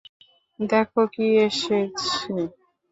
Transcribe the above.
দ্যাখো কে এসেছি।